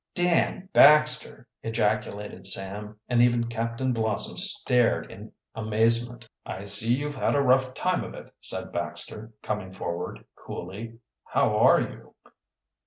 "Dan Baxter!" ejaculated Sam, and even Captain Blossom stared in amazement. "I see you've had a rough time of it," said Baxter, coming forward coolly. "How are you?"